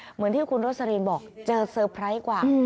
เหมือนที่คุณโรสลินบอกเจอเซอร์ไพรส์กว่า